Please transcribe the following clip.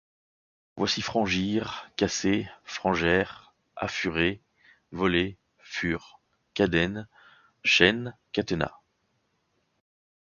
Voici frangir, casser, frangere ; affurer, voler, fur ; cadène, chaîne, catena.